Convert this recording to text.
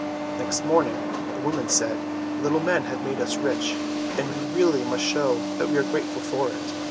Next morning the woman said, "The little men have made us rich, and we really must show that we are grateful for it.